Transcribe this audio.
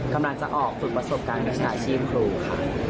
กำลังจะออกฝึกประสบการณ์วิชาชีพครูค่ะ